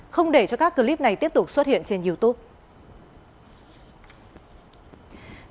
không để cho các clip này tiếp tục xuất hiện trên youtube